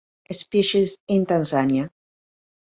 Species in Tanzania.